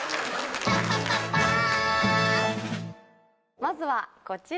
まずはこちら。